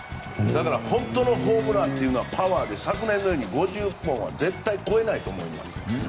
だから、本当のホームランというのはパワーで昨年のように５０本は絶対超えないと思います。